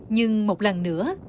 nhưng một lần nữa